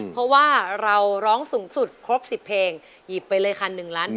เพราะว่าเราร้องสูงสุดครบ๑๐เพลงหยิบไปเลยค่ะ๑ล้านบาท